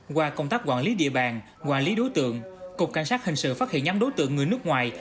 qua công tác quản lý địa bàn quản lý đối tượng cục cảnh sát hình sự phát hiện nhóm đối tượng người nước ngoài